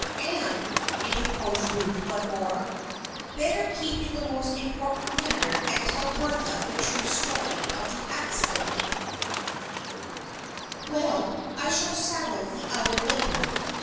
" Anne," interposed Ruth once more. " Better keep to the most important matter and tell Bertha the true story of the accident" 242 THE FRIENDSHIP OF ANNE " Well, I shall settle the other later.